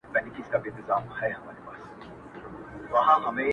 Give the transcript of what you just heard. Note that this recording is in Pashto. ه یاره ولي چوپ یې مخکي داسي نه وې’